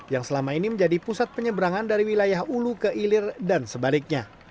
yang selama ini menjadi pusat penyeberangan dari wilayah ulu ke ilir dan sebaliknya